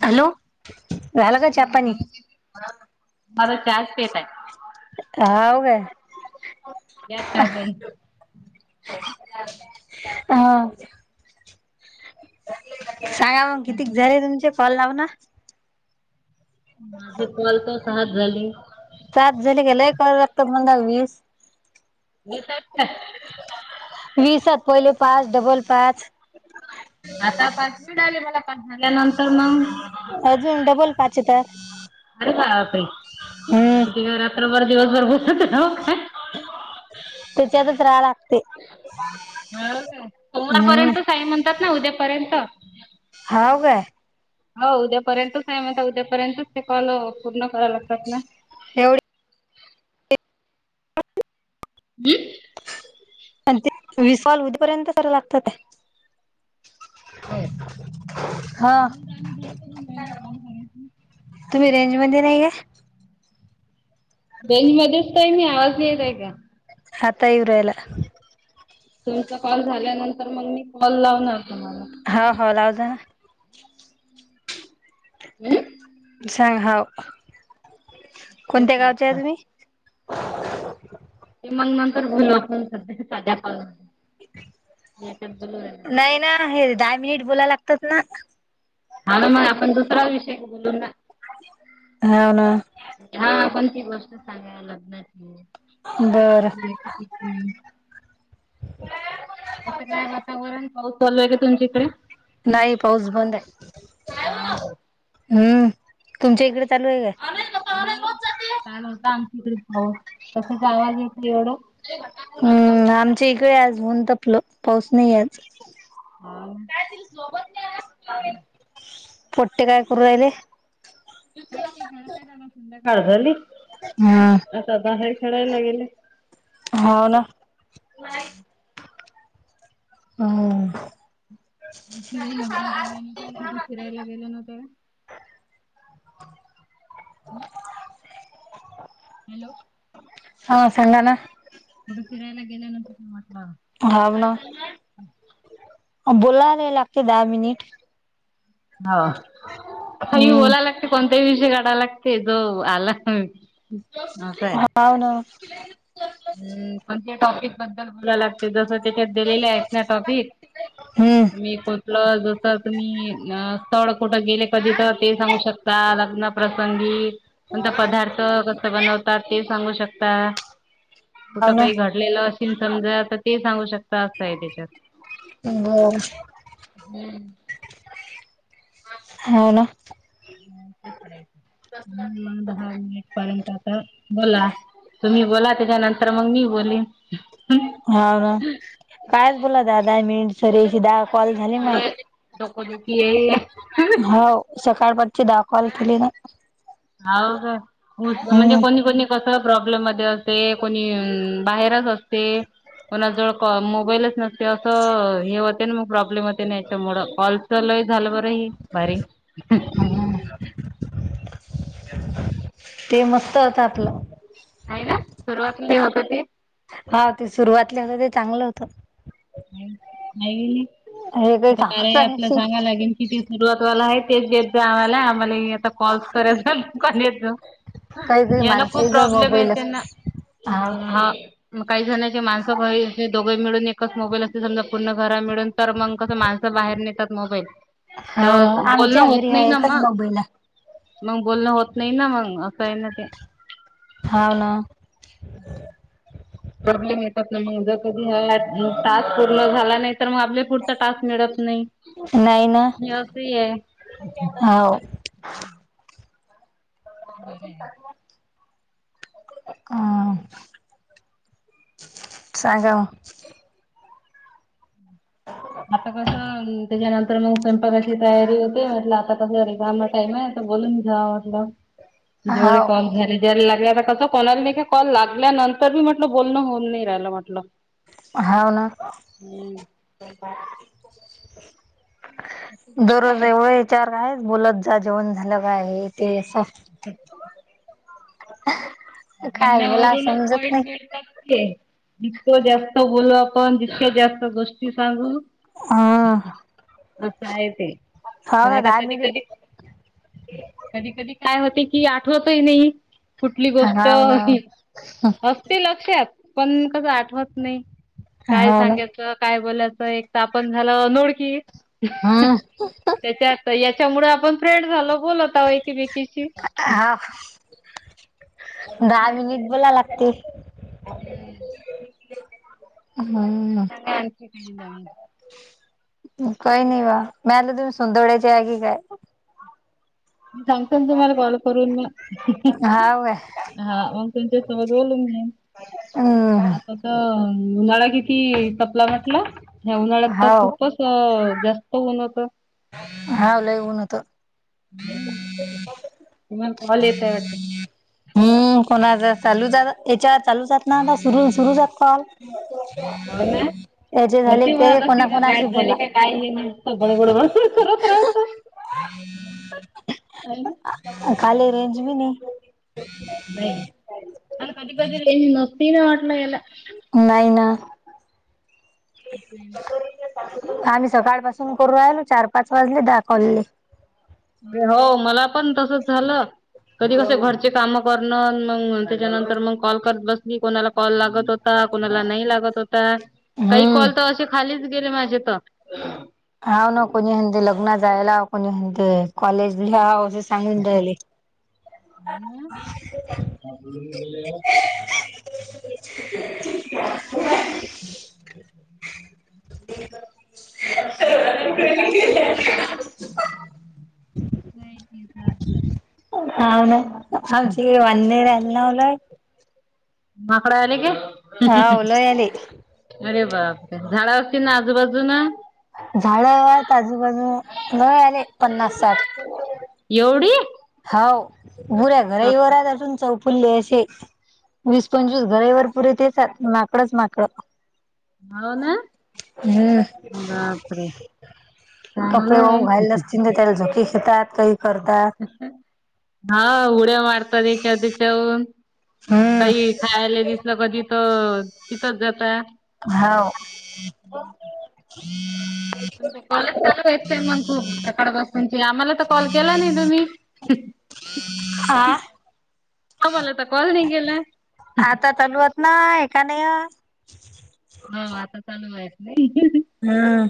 Hello झाला का चा पाणी? [unintelligible] चाच पेत आहे हाव का या चा प्यायला हां. [inaudible] सांगा मग किती झाले तुमचे कॉल लाव ना. माझे कॉल त सहाच झाले. सहाच झाले का लय लागतत म्हणा वीस. [inaudible] मी सपवले पाच डबल पाच. आता पाच मिळाले मला पाच झाल्यानंतर मंग. अजून डबल पाच येतात. आले का वापिस हम्म किती का रात्रभर दिवसभर भुकत रावा काय? तेच्यातच राहा लागते. हम्म सोमवारपर्यंतच हाई म्हणतात ना उद्यापर्यंत हाव काय? हव उद्यापर्यंतच आहे म्हणता उद्यापर्यंतच ते कॉल पूर्ण करायला लागतात ना. एवढे हम. आणि ते विस कॉल उद्या पर्यंत कराव लागतात काय? [inaudible] हा तुम्ही रेंज मध्ये नाहीय. रेंज मध्येच त हाय मी आवाज नाही येत आहे का? आता इवूरायला. तुमचा कॉल झाल्यानंतर मंग मी कॉल लावणार तुम्हाला. हा हो लाव जा ना. हम्म. सांग हाव. कोणत्या गावच्या आहे तुम्ही? [unintelligible] राहिला. नाही ना हे दहा मिनिट बोलाय लागतत ना. हा ना [unintelligible] हाव ना हा पण गोष्ट सांगा बरं लग्नाची [unintelligible] कसं काय वातावरण पाऊस चालूय नाही पाऊस बंद आहे. [inaudible] हम्म तुमच्या इकडे चालू आहे काय? नाही काल होता आमच्याकडे पाऊस. तसेच आवाज य हम्म आमच्या इकडे आज ऊन तपलं पाऊस नाही आज. हाव ना. पोट्टे काय करू राहिले? काई नाई घरात आय आता संध्याकाळ झाली. हम्म आता बाहेर खेळायला गेले. नाही. हम. युपी ताई लग्नात गेल्यानी कणी कुठ फिरायला गेल्या नव्हत्या. हम्. हॅलो, हा सांगा ना. फिरायला गेल्या नव्हत्या तेंव्हा. हव ना, बोला रे लागते दहा मनिट. हाव हाय ये बोला हम्म लागत कॉल ते विषय काडा लागते जो आला हव ना. हम् पण ते टॉपिक बद्दल बोला लागते जस त्याच्यात दिलेल्या आहेत ना टॉपिक. हम्म मी कूठलं जस तुम्ही अ स्थळ कुठं गेले कधी तर ते सांगू शकता, लग्न प्रसंगी नंतर पदार्थ कस बनवतात ते सांगू शकता हाव कुठं ना काही घडलेलं असल समजा तर ते सांगू शकता अस आहे त्याच्यात बर हम्म होय ना दहा मिनिट पर्यंत आता बोला तुम्ही बोला त्याच्यानंतर मग मी बोलीन होा ना कायच बोला दाहा मिनिटं सरीशी दा कॉल झाली माय हाव सकाळ दहा कॉल केले ना हाव का म्हणजे हम्म कोणी कोणी कस प्रॉब्लेम मध्ये असते कोणी बाहेरच असते कोणाजवळ मोबाईलच नसते असं हे होते ना मग प्रॉब्लेम होते ना याच्यामुंळ कॉलच लय झालं बर हे भारी ह [inaudible] ते मस्त होत आपलं आहे ना सुरुवाती होतं ते हा ते सुरुवातला होत ते चांगलं होतं. नाही हे आता काही ते कामाच कार्य ॲप ला सांगत आपलं नाही सांगा लागेल किती सुरुवातवाला आहेत तेच देत जा आम्हाला आम्हाला आता कॉल करायच काही काही [unintelligible] यांना खूप माणसं जर प्रॉब्लेम आहे मोबाईल त्यांना हाव ना हा मग काही जणचे माणसं दोघ मिळून एकच मोबाईल असतील समजा पूर्ण घर मिळून तर मग कस माणसं बाहेर नेतात मोबाईल हाव तर ना बोलणं आमच्या होत घरी हा नाही ना एकच म मोबाईल आहे मग बोलणं होत नाही ना मग असं आहे ना ते हाव ना प्रॉब्लेम येतात ना मग ज टास्क पूर्ण झाला नाही तर मग आपल्या पुढचा टास्क मिळत नाही अस हि हाव आहे बरं हा सांगाव आता कस त्याच्यानंतर मग स् कशी तयारी होते म्हटलं आता कसं रिकामच आहे तर बोलून घ्याव. जेवढे हाव कॉल झाले [unintelligible] लागल्या. कसं कोणाला न का कॉल लागल्यानंतर बी म्हटलं बोलणं होऊन नाही राहिलं म्हटलं. हाव ना. हम्म. दररोज एवढा विचार का आहे बोलत जा जेवण झालं काय हे ते अस. ह [inaudible] [inaudible] काय मला बोलण्यावरून समजत पॉइंट नाही मिळतात ते. जितकं जास्त बोलू आपण जितक्या जास्त गोष्टी सांगू हा असं आहे ते हाव पण ना आता दहा कधी, कधी मिनिट कधी, कधी काय होते कि आठवतही नाही कुठली गोष्ट हाव ना तर असते लक्षात पण कसं आठवत नाही काय हाव ना सांगायचं काय बोलायचं. एक तर आपण झालं अनोळखी. हम्म. त्याच्यामुळे आपण फ्रेड झालोत बोलत आहोत एकिमेकीशी हाव दहा मिनिट बोला लागते. हम्म. हम्म.. मी काही नाही बाई म्या [unintelligible] तुम्हीं सुंदरवडयाचे हाय कि काय. मी सांगतो ना तुम्हाला कॉल करून मग. हाव काय? हा मग तुमच्यासोबत बोलून घिन हम्म आता त उन्हाळा किती तपला म्हटला ह्या उन्हाळ्यात तर हाव खूपच जास्त होऊन होत. हा लय उन्ह होत. हम्म, तुम्हाला कॅल येत आहे वाटते. हम्म कोणाचा चालू जात याच्यावर चालू जातना सुरू, सुरू जात कॉल हो ना? त्याची झाले भरती ते म्हणत असतील का कोणाकणाशी बोला अस करत राहतो. खाली रेंज बी नाही. नाही आणि कधी, कधी रेंज नसती ना वाटल याला. नाही ना. हम्म - - हो मला पण तस झाल कधी कस घरचे काम करण मग त्याच्यानंतर मग कॉल करत बसली कोणाला कॉल लागत. होता कोणाला नाही लागत होता काही हम्म. कॉल तर असे खालीच गेले माझे तर हा ना कोणी म्हणते लग्न जायला कोणी म्हणते कॉलेज आनून दयायले. गेलया - - [inaudible] - - [inaudible] आन [inaudible] आ वन [unintelligible] नऊ लाय. माकड आले की हा ओलो यायले‌ अरे बाप रे झाडं असतील ना आजूबाजून. झाडात आजूबाजू न आले पन्नास, साठ एवढी हाव बुऱ्या बाप घराईवातर आहे अजून चौक फुल्ले असे वीस पंचवीस घरवर पुरे तेच आहेत माकडंच माकडं हो ना हम्म. बापरे चांगलं कपडे वो घालले आहे असतील त्याला झोके येतात काही करतात हा उड्या मारतात चद चवून काही हम्म खायला दिसलं कधी तर तिथंच जात हा कॉलेज चालूेतते मग खूप सकाड बसूनची आम्हाला तर कॉल केला नाही तुम्ही - - हा आमलाता कोल नाही केलाय आता चालूवत ना हे का नाही हो आता चालू व्हायच नाही हम्म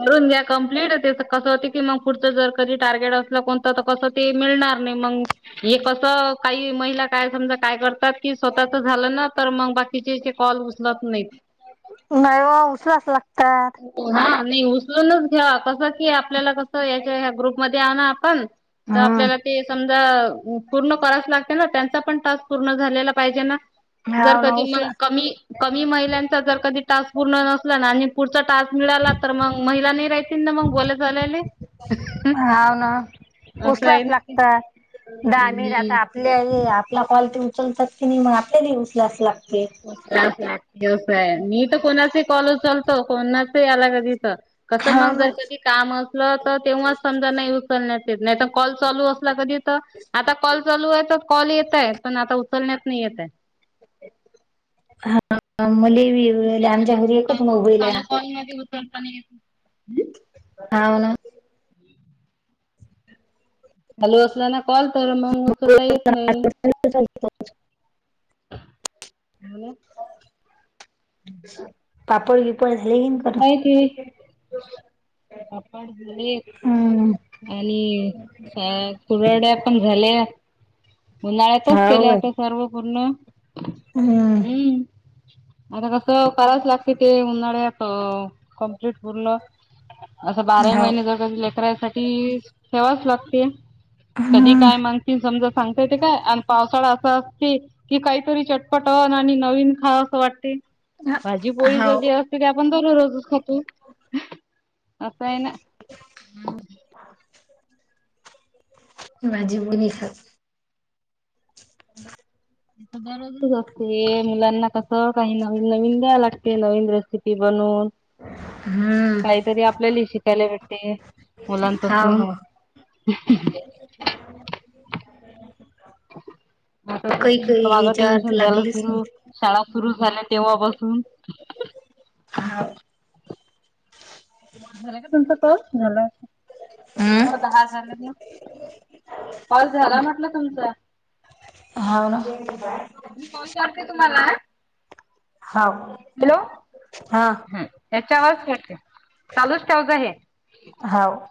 करून घ्या कम्प्लीिट कसं हो की मग पुढचं जर कधी टार्गेट असलं कोणत तर कसं ते मिळणार मग हे कस काही महिला काय समजा काय करतात की स्वतःच झालं ना तर मग बाकीचे कॉल उचलत नाहीत. नाहीव उसला अस ला ा नाही उचलूनच घ्या कस की आपल्याला कस याच्या ग्रुपमध्ये. त्यान आपण आपल्याला हम्म ते पण पूर्ण कराच लागते ना त्यांचा पण तास पूर्ण झाला पाहिजे ना जर हाव ना कधी म उचला क कमी महिलांचा जर कधी त पूर्ण नसला ना आणि पुढचा टास्क मिळाला तर मग महिला नाही राहतील ना मग बोला झालेले हा ना असं उसलाच आहे ना ते. लागत दहा मिट हम्म. आता आपले आहे ला कवाल तेी उचलतात की नाही मग आपल्याली उचला अस लाग ्यवसाय मी तर कोणाच कॉलेज चालतो कोणाच याला कध कसं हाव मग जस ना की काम असलं तर तेव्हाच समजा नाही उचलण्यात नाही कॉल चालू अस कधी आता कॉल चालू कॉल येतय पण आता उचलण्यात नाही येतय हा मुली कालकॉन मध्ये उतरता नाही येत व ना हॅलो [unintelligible] ना कॉल तर मंग उचलता येत नाही. हो, पापड बिपड [unintelligible] अपाड झाले आणि पुरड्या पण झाल्या उन्हाळ्यातच हाव केले काय? आता सर्व पूर्ण हम्म आता कस करायच लागते ते उन्हाळ्यात कमप्लीट परलं असं बारा हाव महिने जर लेकरासाठीठी ठेवाच लागते कधी हम्म काय माणस समजा सांगता येत काय आणि पावसाळा असा की काहीतरी चटपट आणि नवीन खा असं वाटते भाजी पोळीच हाव जे असते ते आपण दररोजच खातो अतान माझी मुी ख हम् दररोजच असते मुलांना कसं काही नवीन नवीन द्याव लागते नवीन रेसिपी बनवून हम् काहीतरी आपल्याला शिकायला भेटते हाव मुलांपासून हाव [inaudible] ह् काही माग ह्याच्यावर तर टेन्शन झालं लागलीच नाही. सुरू शाळा सुरु झालं तेव्हापासून, हा, झालं का, तुमचा कॉल झाला. हो हम्म दहा झालेत ना, कॉल झाला म्हटलं तुमचा. ह ना, मी कॉल करते तुम्हाला, हाव हॅलो हा. हम, चार वाजलेत काय, चालूच ठेवता हे हाव